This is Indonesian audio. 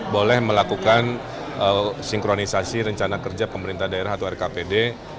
boleh melakukan sinkronisasi rencana kerja pemerintah daerah atau rkpd